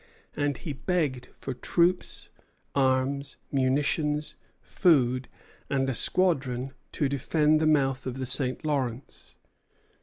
And he begged for troops, arms, munitions, food, and a squadron to defend the mouth of the St. Lawrence.